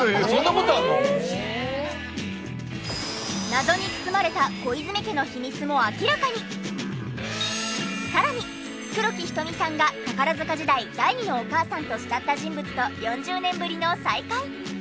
謎に包まれたさらに黒木瞳さんが宝塚時代第２のお母さんと慕った人物と４０年ぶりの再会。